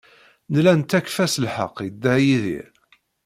Nella nettakf-as lḥeqq i Dda Yidir.